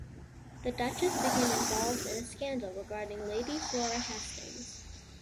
The Duchess became involved in a scandal regarding Lady Flora Hastings.